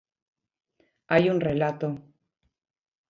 Hai un relato.